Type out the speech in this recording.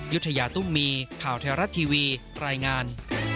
ยุธยาตุ้มมีข่าวไทยรัฐทีวีรายงาน